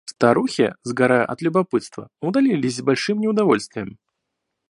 Старухи, сгорая от любопытства, удалились с большим неудовольствием.